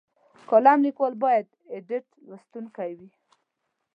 کالم لیکوال باید ابډیټ لوستونکی وي.